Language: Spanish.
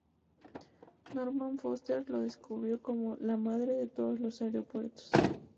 Norman Foster lo describió como "la madre de todos los aeropuertos".